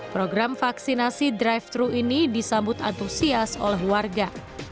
program vaksinasi drive thru ini disambut antusias oleh warga